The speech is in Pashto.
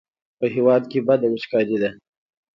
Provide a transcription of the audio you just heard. په هېواد کې بده وچکالي ده.